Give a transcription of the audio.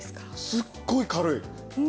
すごい軽い。